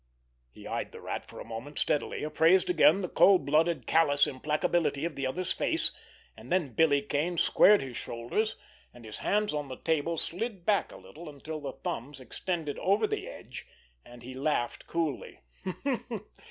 He eyed the Rat for a moment steadily; appraised again the cold blooded, callous implacability in the other's face—and then Billy Kane squared his shoulders, and his hands on the table slid back a little until the thumbs extended over the edge, and he laughed coolly.